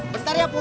bentar ya purno